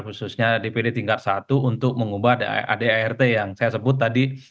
khususnya dpd tingkat satu untuk mengubah adart yang saya sebut tadi